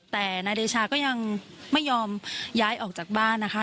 แต่นายเดชาก็ยังไม่ยอมย้ายออกจากบ้านนะคะ